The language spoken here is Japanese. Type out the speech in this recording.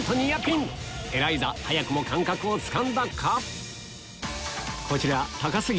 早くも感覚をつかんだか？